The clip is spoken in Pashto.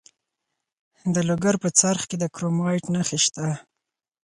د لوګر په څرخ کې د کرومایټ نښې شته.